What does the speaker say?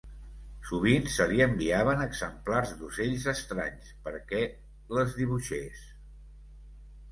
Sovint se li enviaven exemplars d'ocells estranys perquè les dibuixés.